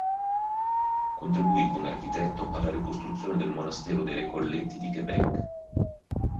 Contribuì, come architetto, alla ricostruzione del monastero dei recolletti di Québec.